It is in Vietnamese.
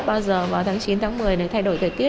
bao giờ vào tháng chín tháng một mươi này thay đổi thời tiết